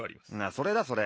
それだそれ。